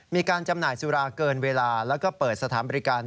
จำหน่ายสุราเกินเวลาแล้วก็เปิดสถานบริการ